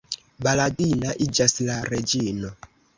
Baladina iĝas la reĝino.